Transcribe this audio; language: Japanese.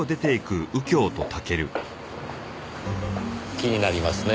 気になりますね。